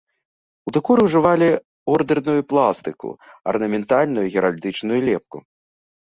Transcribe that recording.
У дэкоры ўжывалі ордэрную пластыку, арнаментальную і геральдычную лепку.